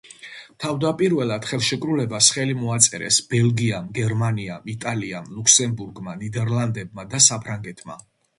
თავდაპირველად ხელშეკრულებას ხელი მოაწერეს ბელგიამ, გერმანიამ, იტალიამ, ლუქსემბურგმა, ნიდერლანდებმა და საფრანგეთმა.